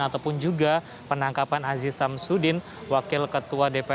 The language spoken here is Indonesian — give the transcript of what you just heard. ataupun juga penangkapan aziz samsudin wakil ketua dpr